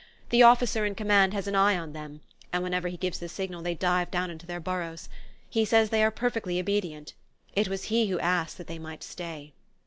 The officer in command has an eye on them, and whenever he gives the signal they dive down into their burrows. He says they are perfectly obedient. It was he who asked that they might stay..."